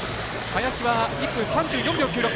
林が１分３４秒９６。